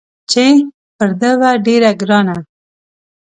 چې پر ده وه ډېره ګرانه